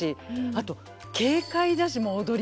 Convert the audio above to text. あと軽快だし踊りが。